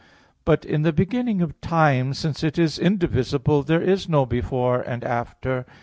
But in the beginning of time, since it is indivisible, there is no "before" and "after."